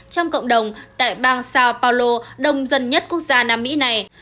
trong cộng đồng tại bang sao paulo đông dân nhất quốc gia nam mỹ này